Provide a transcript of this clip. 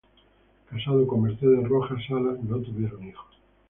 Casado con Mercedes Rojas Salas, no tuvieron hijos.